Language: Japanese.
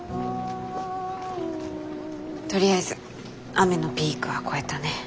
とりあえず雨のピークは越えたね。